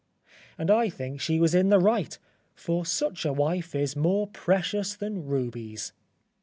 And I think she was in the right, for such a wife is more precious than rubies.